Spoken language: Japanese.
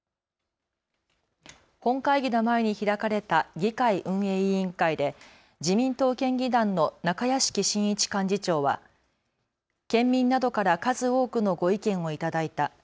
本会議の前に開かれた議会運営委員会で自民党県議団の中屋敷慎一幹事長は県民などから数多くのご意見を頂いた。